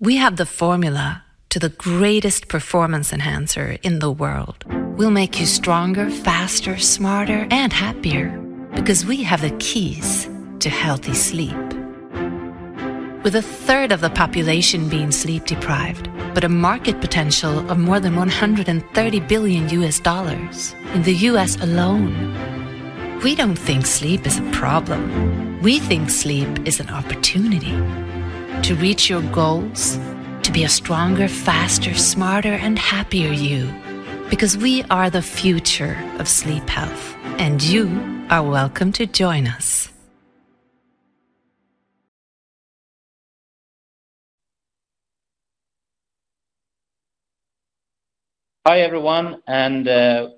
We have the formula to the greatest performance enhancer in the world. We'll make you stronger, faster, smarter, and happier because we have the keys to healthy sleep. With a third of the population being sleep deprived, but a market potential of more than $130 billion in the U.S. alone, we don't think sleep is a problem. We think sleep is an opportunity to reach your goals, to be a stronger, faster, smarter, and happier you, because we are the future of sleep health. You are welcome to join us. Hi everyone, and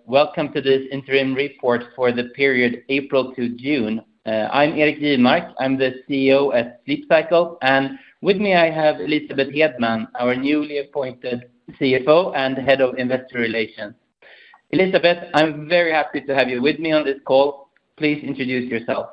welcome to this interim report for the period April to June. I'm Erik Jivmark, I'm the CEO at Sleep Cycle, and with me I have Elisabeth Hedman, our newly appointed CFO and Head of Investor Relations. Elisabeth, I'm very happy to have you with me on this call. Please introduce yourself.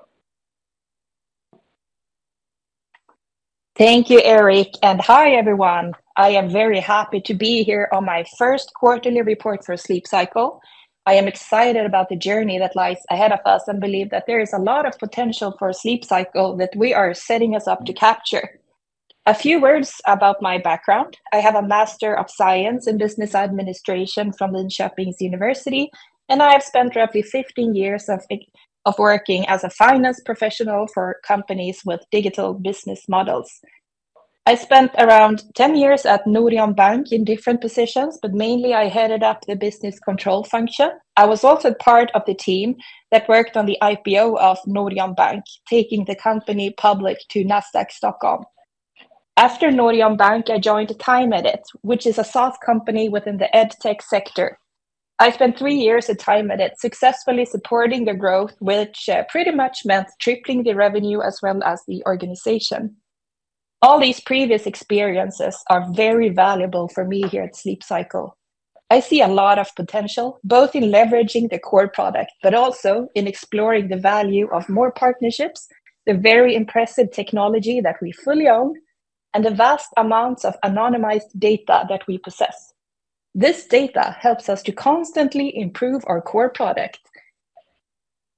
Thank you, Erik, and hi everyone. I am very happy to be here on my first quarterly report for Sleep Cycle. I am excited about the journey that lies ahead of us and believe that there is a lot of potential for Sleep Cycle that we are setting us up to capture. A few words about my background: I have a Master of Science in Business Administration from Linköping University, and I have spent roughly 15 years of working as a finance professional for companies with digital business models. I spent around 10 years at Norion Bank in different positions, but mainly I headed up the business control function. I was also part of the team that worked on the IPO of Norion Bank, taking the company public to Nasdaq Stockholm. After Norion Bank, I joined TimeEdit, which is a SaaS company within the edtech sector. I spent three years at TimeEdit successfully supporting the growth, which pretty much meant tripling the revenue as well as the organization. All these previous experiences are very valuable for me here at Sleep Cycle. I see a lot of potential, both in leveraging the core product, but also in exploring the value of more partnerships, the very impressive technology that we fully own, and the vast amounts of anonymized data that we possess. This data helps us to constantly improve our core product,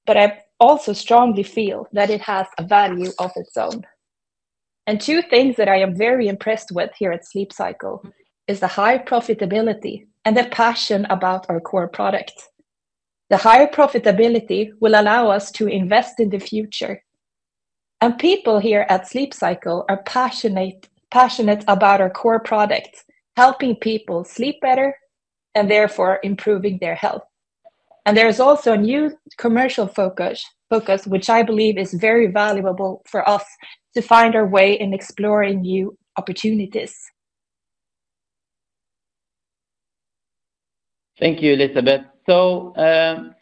but I also strongly feel that it has a value of its own. Two things that I am very impressed with here at Sleep Cycle are the high profitability and the passion about our core product. The higher profitability will allow us to invest in the future. People here at Sleep Cycle are passionate about our core product, helping people sleep better and therefore improving their health. There is also a new commercial focus, which I believe is very valuable for us to find our way in exploring new opportunities. Thank you, Elisabeth. So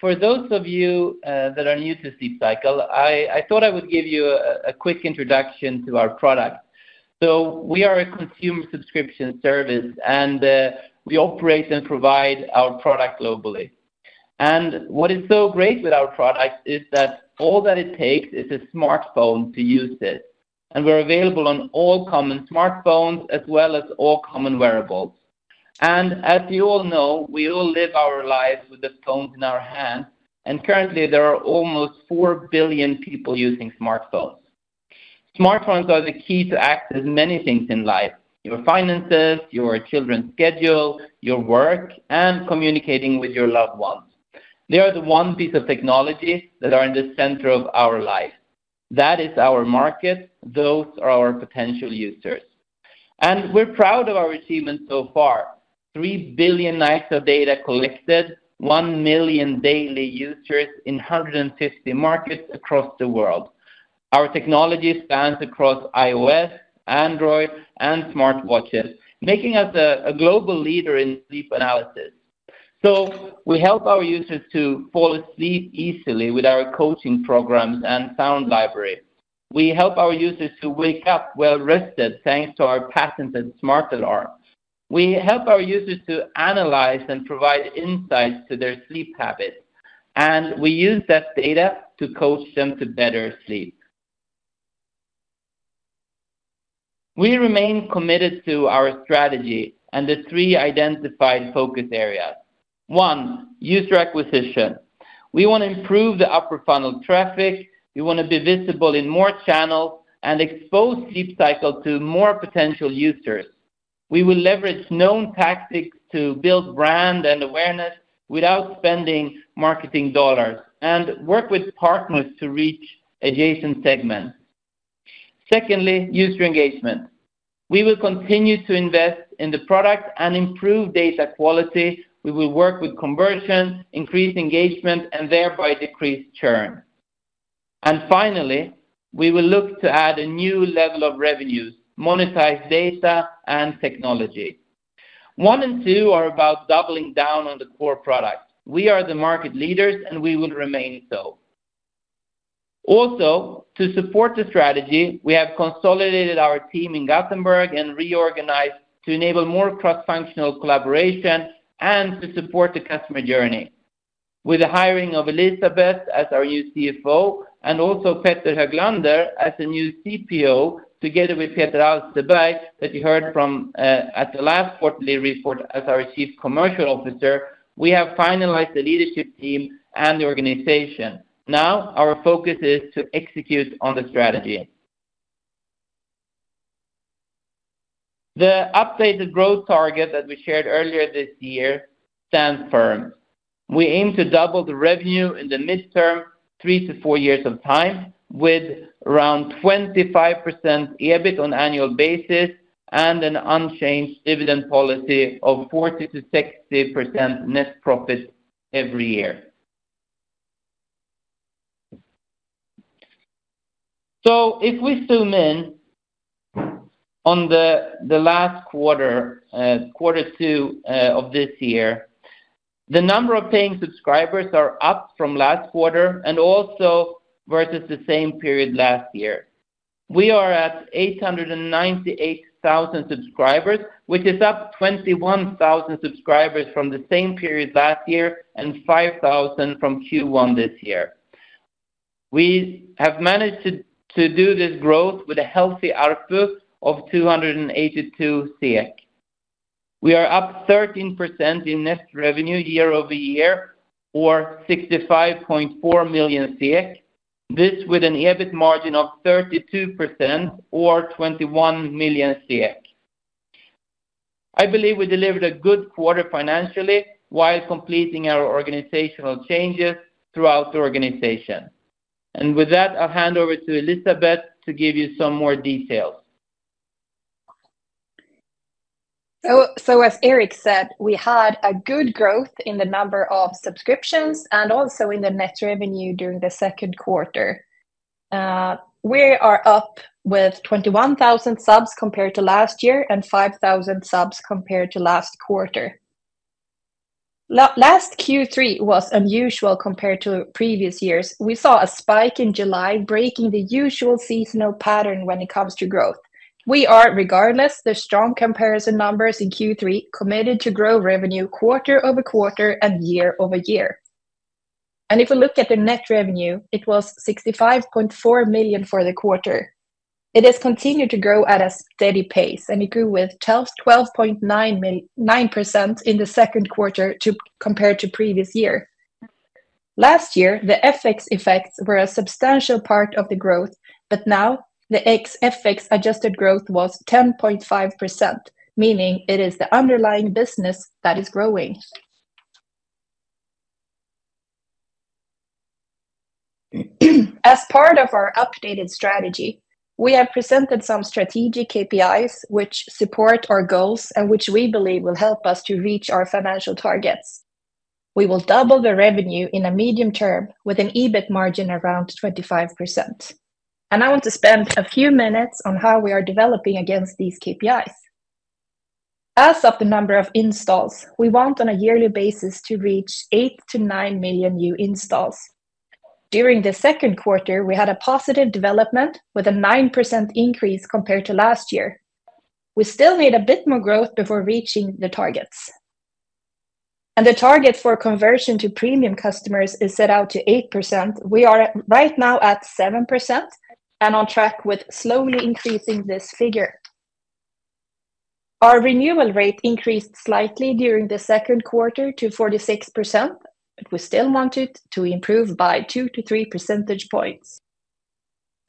for those of you that are new to Sleep Cycle, I thought I would give you a quick introduction to our product. So we are a consumer subscription service, and we operate and provide our product globally. And what is so great with our product is that all that it takes is a smartphone to use it. And we're available on all common smartphones as well as all common wearables. And as you all know, we all live our lives with the phones in our hands, and currently there are almost 4 billion people using smartphones. Smartphones are the key to access many things in life: your finances, your children's schedule, your work, and communicating with your loved ones. They are the one piece of technology that is in the center of our life. That is our market. Those are our potential users. We're proud of our achievements so far: three billion nights of data collected, one million daily users in 150 markets across the world. Our technology spans across iOS, Android, and smartwatches, making us a global leader in sleep analysis. So we help our users to fall asleep easily with our coaching programs and sound library. We help our users to wake up well-rested thanks to our patented Smart Alarm. We help our users to analyze and provide insights to their sleep habits, and we use that data to coach them to better sleep. We remain committed to our strategy and the three identified focus areas. One, user acquisition. We want to improve the upper funnel traffic. We want to be visible in more channels and expose Sleep Cycle to more potential users. We will leverage known tactics to build brand and awareness without spending marketing dollars and work with partners to reach adjacent segments. Secondly, user engagement. We will continue to invest in the product and improve data quality. We will work with conversion, increase engagement, and thereby decrease churn. And finally, we will look to add a new level of revenues, monetize data and technology. One and two are about doubling down on the core product. We are the market leaders, and we will remain so. Also, to support the strategy, we have consolidated our team in Gothenburg and reorganized to enable more cross-functional collaboration and to support the customer journey. With the hiring of Elisabeth as our new CFO and also Petter Höglander as the new CPO, together with Peter Alsterberg, that you heard from at the last quarterly report as our Chief Commercial Officer, we have finalized the leadership team and the organization. Now our focus is to execute on the strategy. The updated growth target that we shared earlier this year stands firm. We aim to double the revenue in the midterm, three to four years of time, with around 25% EBIT on an annual basis and an unchanged dividend policy of 40%-60% net profit every year. So if we zoom in on the last quarter, quarter two of this year, the number of paying subscribers is up from last quarter and also versus the same period last year. We are at 898,000 subscribers, which is up 21,000 subscribers from the same period last year and 5,000 from Q1 this year. We have managed to do this growth with a healthy ARPU of 282. We are up 13% in net revenue year-over-year, or 65.4 million SEK, this with an EBIT margin of 32% or 21 million SEK. I believe we delivered a good quarter financially while completing our organizational changes throughout the organization. With that, I'll hand over to Elisabeth to give you some more details. So as Erik said, we had a good growth in the number of subscriptions and also in the net revenue during the second quarter. We are up with 21,000 subs compared to last year and 5,000 subs compared to last quarter. Last Q3 was unusual compared to previous years. We saw a spike in July, breaking the usual seasonal pattern when it comes to growth. We are, regardless, the strong comparison numbers in Q3, committed to grow revenue quarter-over-quarter and year-over-year. And if we look at the net revenue, it was 65.4 million for the quarter. It has continued to grow at a steady pace, and it grew with 12.9% in the second quarter compared to previous year. Last year, the FX effects were a substantial part of the growth, but now the FX adjusted growth was 10.5%, meaning it is the underlying business that is growing. As part of our updated strategy, we have presented some strategic KPIs which support our goals and which we believe will help us to reach our financial targets. We will double the revenue in a medium term with an EBIT margin around 25%. I want to spend a few minutes on how we are developing against these KPIs. As for the number of installs, we want on a yearly basis to reach 8-9 million new installs. During the second quarter, we had a positive development with a 9% increase compared to last year. We still need a bit more growth before reaching the targets. The target for conversion to premium customers is set out to 8%. We are right now at 7% and on track with slowly increasing this figure. Our renewal rate increased slightly during the second quarter to 46%, but we still wanted to improve by 2 to 3 percentage points.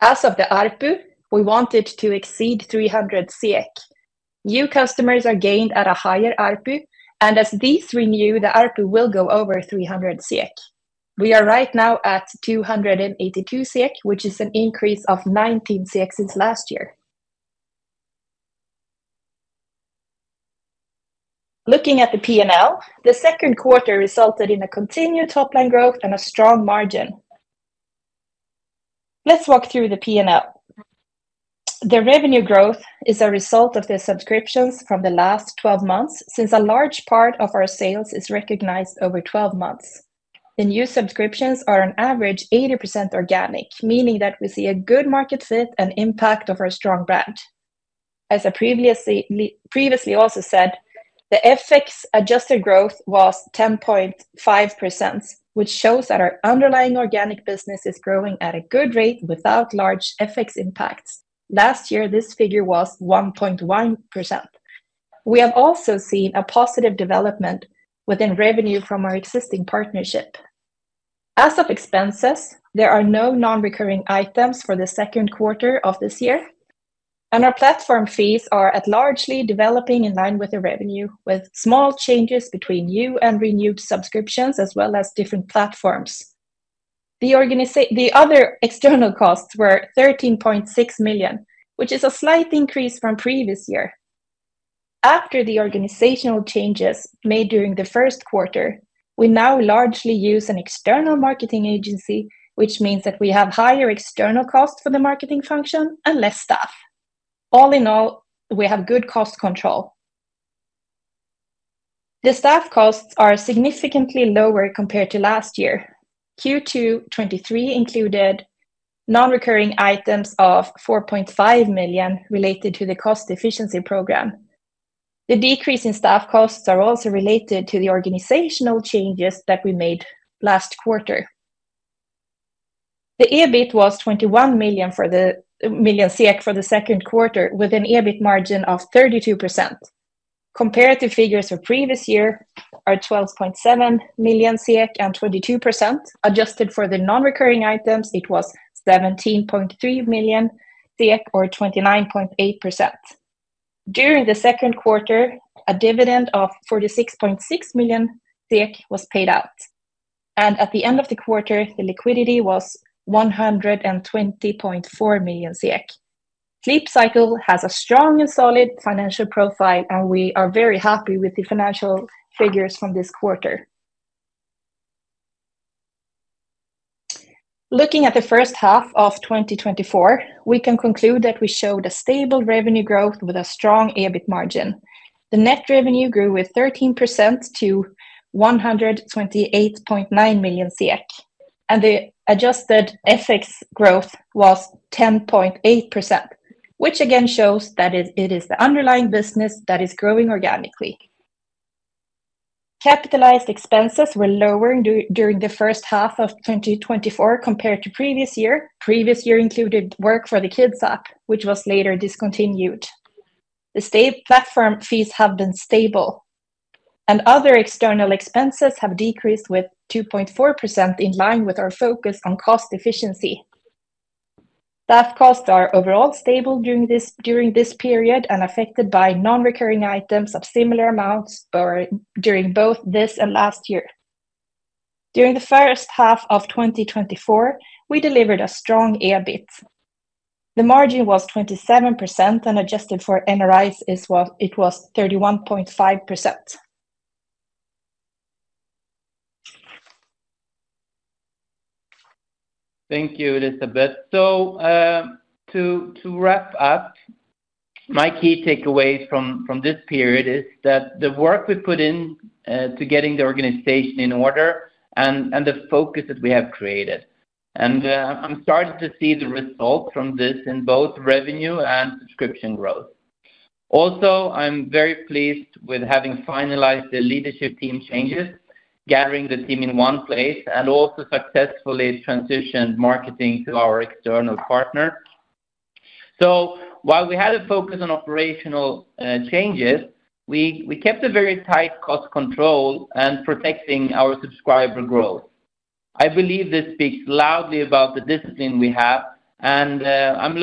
As of the ARPU, we wanted to exceed 300. New customers are gained at a higher ARPU, and as these renew, the ARPU will go over 300. We are right now at 282, which is an increase of 19 since last year. Looking at the P&L, the second quarter resulted in a continued top-line growth and a strong margin. Let's walk through the P&L. The revenue growth is a result of the subscriptions from the last 12 months since a large part of our sales is recognized over 12 months. The new subscriptions are on average 80% organic, meaning that we see a good market fit and impact of our strong brand. As I previously also said, the FX adjusted growth was 10.5%, which shows that our underlying organic business is growing at a good rate without large FX impacts. Last year, this figure was 1.1%. We have also seen a positive development within revenue from our existing partnership. As of expenses, there are no non-recurring items for the second quarter of this year, and our platform fees are largely developing in line with the revenue, with small changes between new and renewed subscriptions as well as different platforms. The other external costs were 13.6 million, which is a slight increase from previous year. After the organizational changes made during the first quarter, we now largely use an external marketing agency, which means that we have higher external costs for the marketing function and less staff. All in all, we have good cost control. The staff costs are significantly lower compared to last year. Q2 2023 included non-recurring items of 4.5 million related to the cost efficiency program. The decrease in staff costs is also related to the organizational changes that we made last quarter. The EBIT was 21 million for the second quarter, with an EBIT margin of 32%. Comparative figures for previous year are 12.7 million and 22%. Adjusted for the non-recurring items, it was 17.3 million or 29.8%. During the second quarter, a dividend of 46.6 million was paid out. At the end of the quarter, the liquidity was 120.4 million. Sleep Cycle has a strong and solid financial profile, and we are very happy with the financial figures from this quarter. Looking at the first half of 2024, we can conclude that we showed a stable revenue growth with a strong EBIT margin. The net revenue grew with 13% to 128.9 million SEK, and the adjusted FX growth was 10.8%, which again shows that it is the underlying business that is growing organically. Capitalized expenses were lower during the first half of 2024 compared to previous year. Previous year included work for the kids' app, which was later discontinued. The store platform fees have been stable, and other external expenses have decreased with 2.4% in line with our focus on cost efficiency. Staff costs are overall stable during this period and affected by non-recurring items of similar amounts during both this and last year. During the first half of 2024, we delivered a strong EBIT. The margin was 27%, and adjusted for NRIs, it was 31.5%. Thank you, Elisabeth. So, to wrap up, my key takeaways from this period is that the work we put in to getting the organization in order and the focus that we have created. I'm starting to see the result from this in both revenue and subscription growth. Also, I'm very pleased with having finalized the leadership team changes, gathering the team in one place, and also successfully transitioned marketing to our external partners. So while we had a focus on operational changes, we kept a very tight cost control and protecting our subscriber growth. I believe this speaks loudly about the discipline we have, and I'm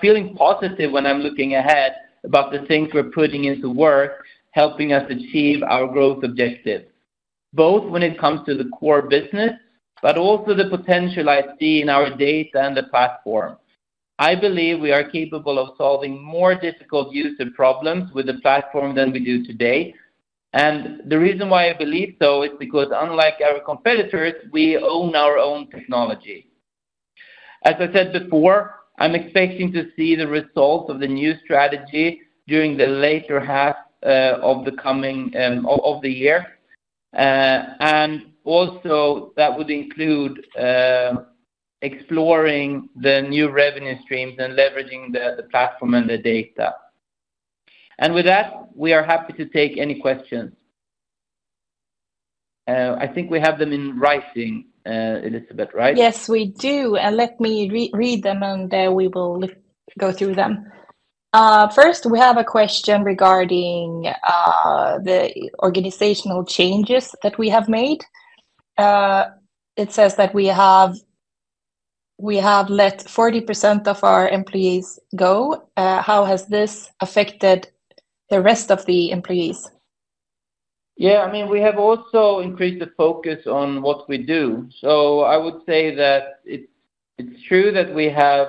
feeling positive when I'm looking ahead about the things we're putting into work, helping us achieve our growth objectives, both when it comes to the core business, but also the potential I see in our data and the platform. I believe we are capable of solving more difficult user problems with the platform than we do today. The reason why I believe so is because, unlike our competitors, we own our own technology. As I said before, I'm expecting to see the results of the new strategy during the later half of the year. That would include exploring the new revenue streams and leveraging the platform and the data. With that, we are happy to take any questions. I think we have them in writing, Elisabeth, right? Yes, we do. Let me read them, and we will go through them. First, we have a question regarding the organizational changes that we have made. It says that we have let 40% of our employees go. How has this affected the rest of the employees? Yeah, I mean, we have also increased the focus on what we do. So I would say that it's true that we have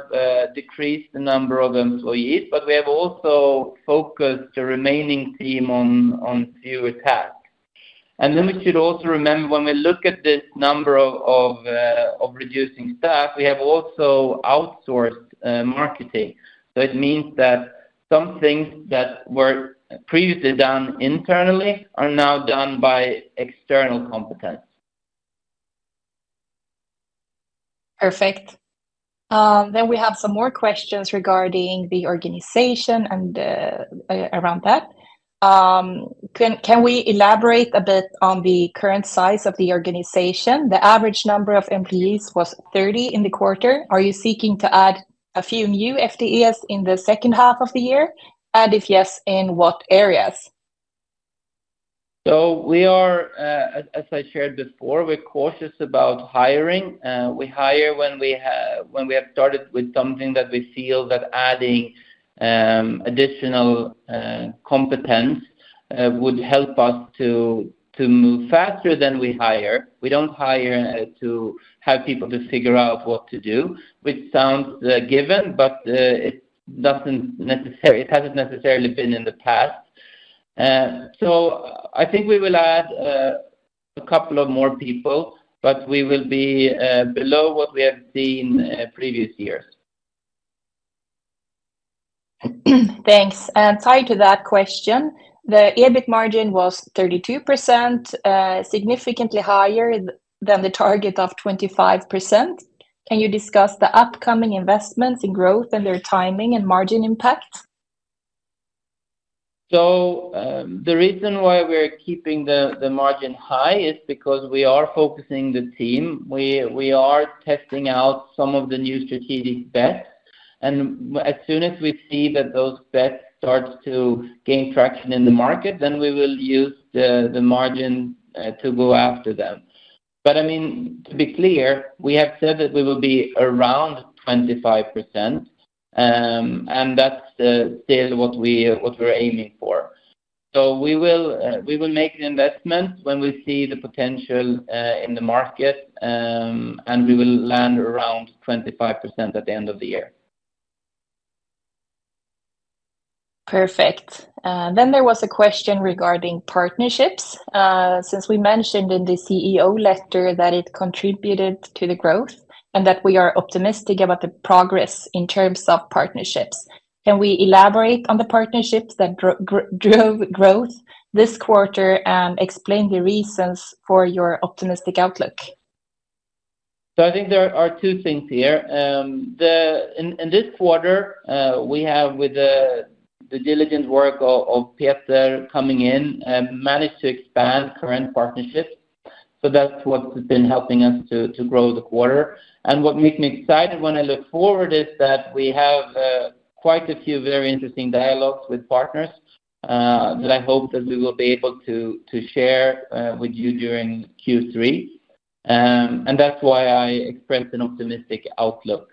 decreased the number of employees, but we have also focused the remaining team on fewer tasks. And then we should also remember, when we look at this number of reducing staff, we have also outsourced marketing. So it means that some things that were previously done internally are now done by external competence. Perfect. We have some more questions regarding the organization and around that. Can we elaborate a bit on the current size of the organization? The average number of employees was 30 in the quarter. Are you seeking to add a few new FTEs in the second half of the year? And if yes, in what areas? So we are, as I shared before, we're cautious about hiring. We hire when we have started with something that we feel that adding additional competence would help us to move faster than we hire. We don't hire to have people to figure out what to do, which sounds given, but it hasn't necessarily been in the past. So I think we will add a couple of more people, but we will be below what we have seen previous years. Thanks. And tied to that question, the EBIT margin was 32%, significantly higher than the target of 25%. Can you discuss the upcoming investments in growth and their timing and margin impact? The reason why we're keeping the margin high is because we are focusing the team. We are testing out some of the new strategic bets. As soon as we see that those bets start to gain traction in the market, then we will use the margin to go after them. But I mean, to be clear, we have said that we will be around 25%, and that's still what we're aiming for. We will make the investment when we see the potential in the market, and we will land around 25% at the end of the year. Perfect. Then there was a question regarding partnerships. Since we mentioned in the CEO letter that it contributed to the growth and that we are optimistic about the progress in terms of partnerships, can we elaborate on the partnerships that drove growth this quarter and explain the reasons for your optimistic outlook? I think there are two things here. In this quarter, we have, with the diligent work of Peter coming in, managed to expand current partnerships. That's what's been helping us to grow the quarter. What makes me excited when I look forward is that we have quite a few very interesting dialogues with partners that I hope that we will be able to share with you during Q3. That's why I expressed an optimistic outlook.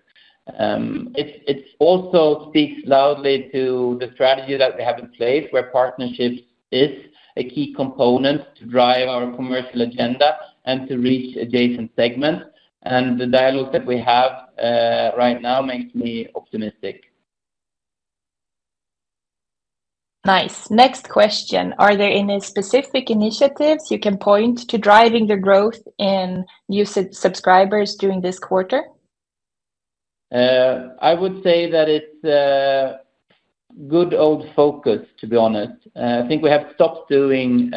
It also speaks loudly to the strategy that we have in place, where partnerships is a key component to drive our commercial agenda and to reach adjacent segments. The dialogue that we have right now makes me optimistic. Nice. Next question. Are there any specific initiatives you can point to driving the growth in new subscribers during this quarter? I would say that it's good old focus, to be honest. I think we have stopped doing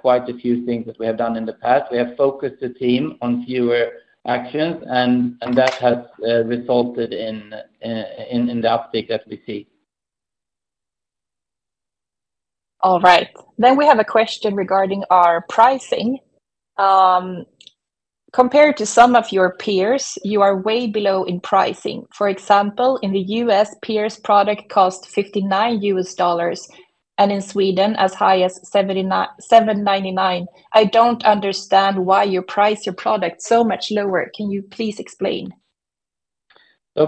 quite a few things that we have done in the past. We have focused the team on fewer actions, and that has resulted in the uptake that we see. All right. Then we have a question regarding our pricing. Compared to some of your peers, you are way below in pricing. For example, in the U.S., peers' product costs $59, and in Sweden, as high as 799. I don't understand why you price your product so much lower. Can you please explain?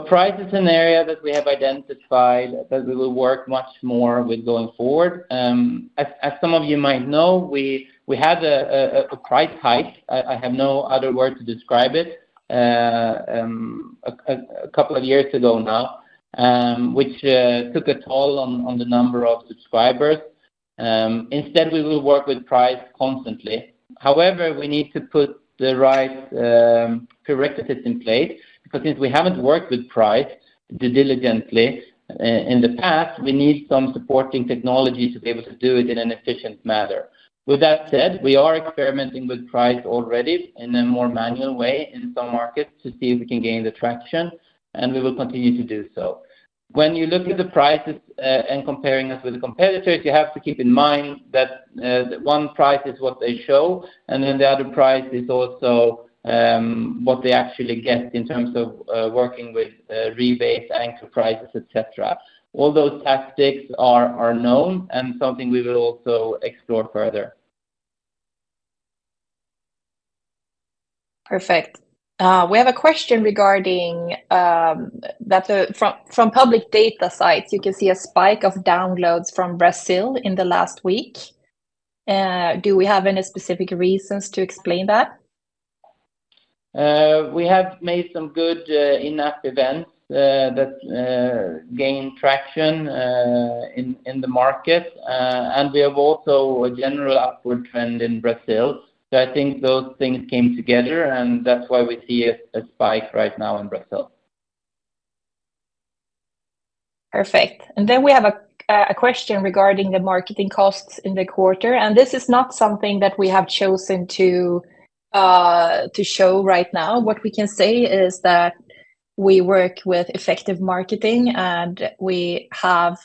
Price is an area that we have identified that we will work much more with going forward. As some of you might know, we had a price hike. I have no other word to describe it, a couple of years ago now, which took a toll on the number of subscribers. Instead, we will work with price constantly. However, we need to put the right prerequisites in place because since we haven't worked with price diligently in the past, we need some supporting technology to be able to do it in an efficient manner. With that said, we are experimenting with price already in a more manual way in some markets to see if we can gain the traction, and we will continue to do so. When you look at the prices and comparing us with the competitors, you have to keep in mind that one price is what they show, and then the other price is also what they actually get in terms of working with rebates, anchor prices, etc. All those tactics are known and something we will also explore further. Perfect. We have a question regarding that from public data sites. You can see a spike of downloads from Brazil in the last week. Do we have any specific reasons to explain that? We have made some good in-app events that gained traction in the market, and we have also a general upward trend in Brazil. So I think those things came together, and that's why we see a spike right now in Brazil. Perfect. Then we have a question regarding the marketing costs in the quarter. This is not something that we have chosen to show right now. What we can say is that we work with effective marketing, and we have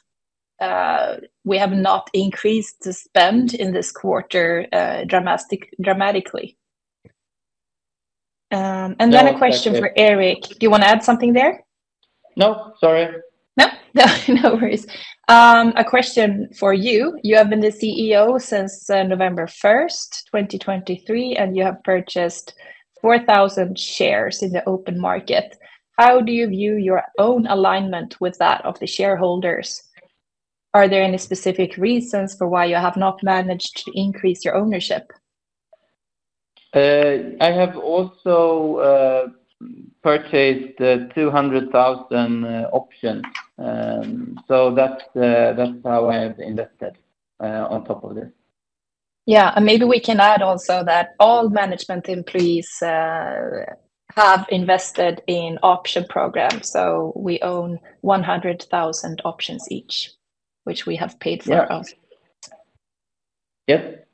not increased the spend in this quarter dramatically. Then a question for Erik. Do you want to add something there? No, sorry. No worries. A question for you. You have been the CEO since November 1st, 2023, and you have purchased 4,000 shares in the open market. How do you view your own alignment with that of the shareholders? Are there any specific reasons for why you have not managed to increase your ownership? I have also purchased 200,000 options. So that's how I have invested on top of this. Yeah. And maybe we can add also that all management employees have invested in option programs. So we own 100,000 options each, which we have paid for ourselves. Yep.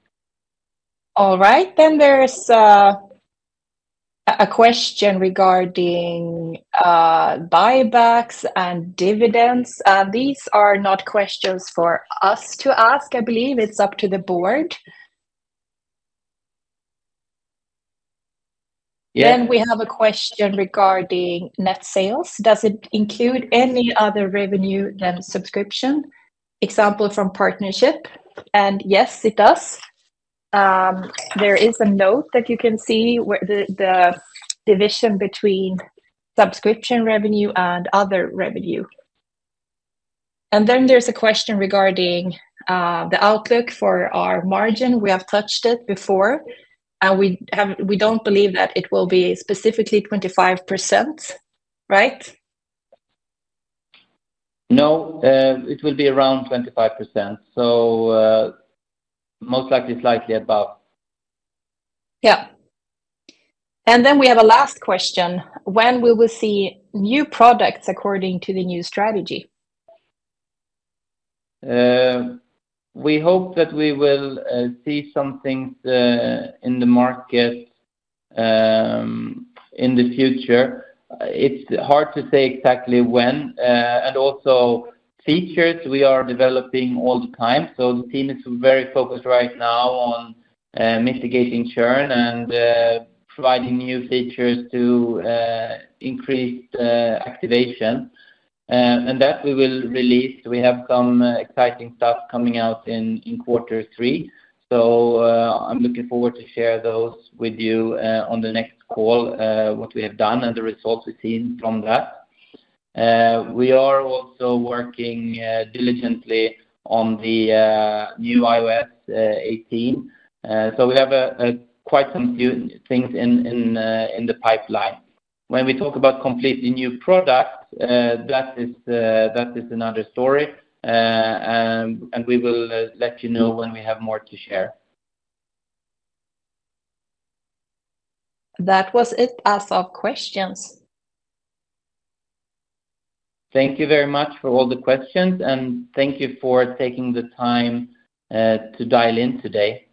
All right. Then there's a question regarding buybacks and dividends. These are not questions for us to ask. I believe it's up to the board. Then we have a question regarding net sales. Does it include any other revenue than subscription? Example from partnership? And yes, it does. There is a note that you can see the division between subscription revenue and other revenue. And then there's a question regarding the outlook for our margin. We have touched it before, and we don't believe that it will be specifically 25%, right? No, it will be around 25%. Most likely slightly above. Yeah. And then we have a last question. When will we see new products according to the new strategy? We hope that we will see some things in the market in the future. It's hard to say exactly when. Also, features we are developing all the time. The team is very focused right now on mitigating churn and providing new features to increase the activation. That we will release. We have some exciting stuff coming out in quarter three. I'm looking forward to share those with you on the next call, what we have done and the results we've seen from that. We are also working diligently on the new iOS 18. We have quite some things in the pipeline. When we talk about completely new products, that is another story. We will let you know when we have more to share. That was it as of questions. Thank you very much for all the questions, and thank you for taking the time to dial in today.